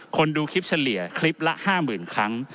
ดูคลิปเฉลี่ยคลิปละ๕๐๐๐ครั้ง